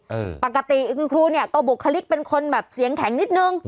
ปกติคือครูเนี้ยก็บุคลิกเป็นคนแบบเสียงแข็งนิดนึง